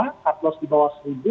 tartlos di bawah rp satu